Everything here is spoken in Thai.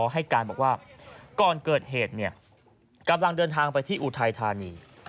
ให้การบอกว่าก่อนเกิดเหตุกำลังเดินทางไปที่อุทัยธานี